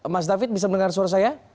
mas david bisa mendengar suara saya